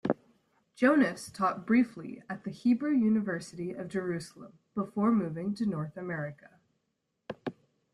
Jonas taught briefly at the Hebrew University of Jerusalem before moving to North America.